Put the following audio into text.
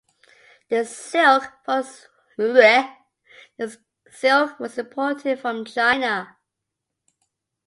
The silk was imported from China.